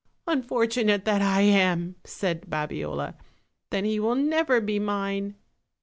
"Unfortunate that I am!" said Babiola, "then he will never be mine."